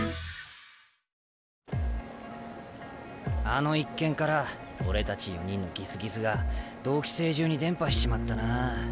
あの一件から俺たち４人のギスギスが同期生中に伝播しちまったなあ。